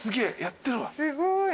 すごい。